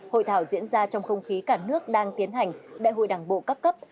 hội thảo diễn ra trong không khí cả nước đang tiến hành đại hội đảng bộ các cấp